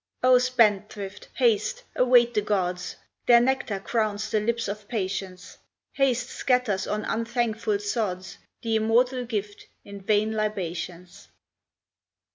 O spendthrift, haste! await the Gods; Their nectar crowns the lips of Patience; Haste scatters on unthankful sods The immortal gift in vain libations.